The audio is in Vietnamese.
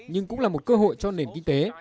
nhưng cũng là một cơ hội cho nền kinh tế